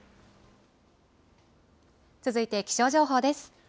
続いて気象情報です。